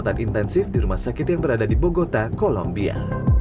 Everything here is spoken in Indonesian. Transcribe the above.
yang diperlukan adalah menstabilisikannya